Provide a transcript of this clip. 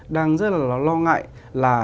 đang rất là lo ngại là